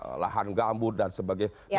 sekian juta lahan gambut dan sebagainya